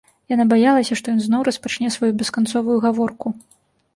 Яна баялася, што ён зноў распачне сваю бесканцовую гаворку.